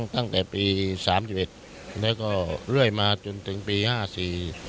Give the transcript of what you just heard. ตั้งแต่ปีสามสิบเอ็ดแล้วก็เรื่อยมาจนถึงปีห้าสี่